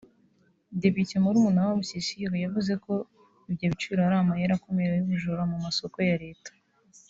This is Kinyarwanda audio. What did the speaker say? Depite Murumunawabo Cécile yavuze ko ibyo biciro ari amayeri akomeye y’ubujura mu masoko ya leta